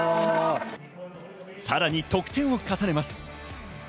さらに得点を重ねます。